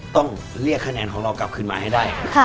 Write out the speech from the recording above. ต้องเรียกคะแนนของเรากลับขึ้นมาให้ได้